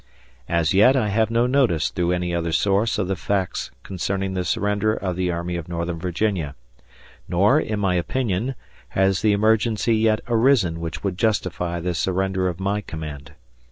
As yet I have no notice through any other source of the facts concerning the surrender of the Army of Northern Virginia, nor, in my opinion, has the emergency yet arisen which would justify the surrender of my command.